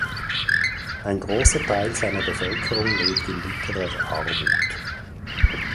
Ein großer Teil seiner Bevölkerung lebt in bitterer Armut.